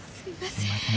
すいません。